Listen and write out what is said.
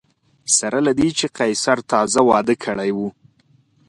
سره له دې چې قیصر تازه واده کړی و